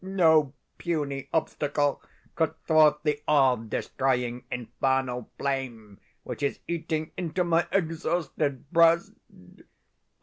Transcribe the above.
No puny obstacle could thwart the all destroying, infernal flame which is eating into my exhausted breast!